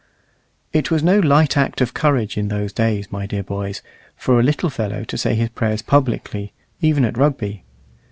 It was no light act of courage in those days, my dear boys, for a little fellow to say his prayers publicly, even at Rugby.